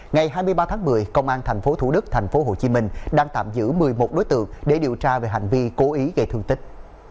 ngày hai mươi ba tháng một mươi công an tp thủ đức tp hcm đang tạm giữ một mươi một đối tượng để điều tra về hành vi cố ý gây thương tích